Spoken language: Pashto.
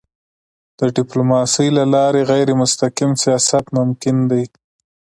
د ډيپلوماسی له لارې غیرمستقیم سیاست ممکن دی.